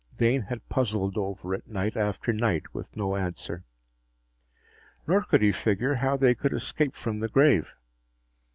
Dane had puzzled over it night after night, with no answer. Nor could he figure how they could escape from the grave.